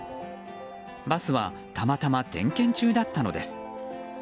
バスはたまたま点検中だったのです。